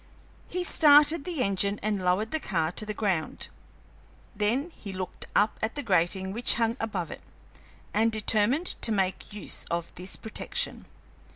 He started the engine and lowered the car to the ground. Then he looked up at a grating which hung above it and determined to make use of this protection.